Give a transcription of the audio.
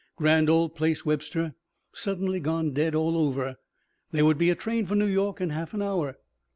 Grand old place, Webster. Suddenly gone dead all over. There would be a train for New York in half an hour.